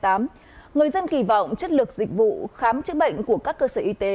chúng ta kỳ vọng chất lực dịch vụ khám chữa bệnh của các cơ sở y tế